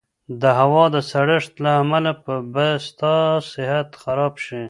د هوا د سړښت له امله به ستا صحت خراب شي.